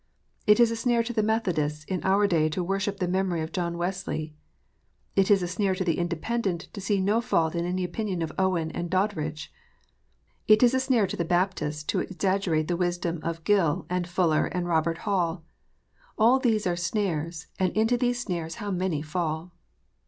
It is a snare to the Methodists in our day to worship the memory of John Wesley. It is a snare to the Independent to see no fault in any opinion of Owen and Doddridge. It is a snare to the Baptist to exaggerate the wisdom of Gill, and Fuller, and Robert Hall. All these are snares, and into these snares how many fall